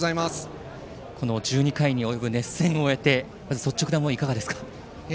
この１２回に及ぶ熱戦を終えてまず率直な思い、いかがですか？